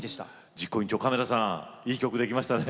実行委員長亀田さんいい曲できましたね。